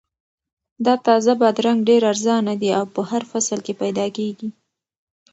دا تازه بادرنګ ډېر ارزانه دي او په هر فصل کې پیدا کیږي.